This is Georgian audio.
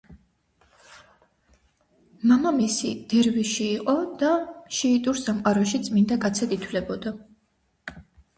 მამამისი დერვიში იყო და შიიტურ სამყაროში წმინდა კაცად ითვლებოდა.